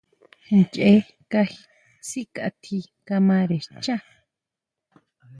Ñee kaji síkʼatji kamare xchá.